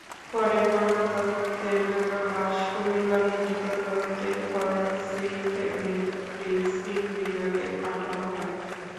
পরে ময়নাতদন্তের জন্য লাশ কুমিল্লা মেডিকেল কলেজের ফরেনসিক মেডিসিন বিভাগে পাঠানো হয়।